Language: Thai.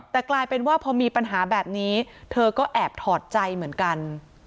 แต่กลายเป็นว่าพอมีปัญหาแบบนี้เธอก็แอบถอดใจเหมือนกัน